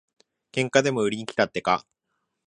喧嘩でも売りにきたってか。